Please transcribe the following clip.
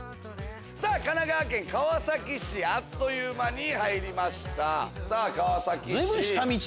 さぁ神奈川県川崎市あっという間に入りました。